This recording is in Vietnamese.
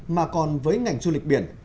mà còn với ngành du lịch biển